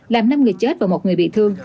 làm năm người chết và một người bị thương